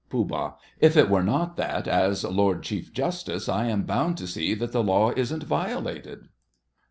POOH. If it were not that, as Lord Chief Justice, I am bound to see that the law isn't violated.